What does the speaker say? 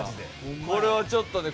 これはちょっとね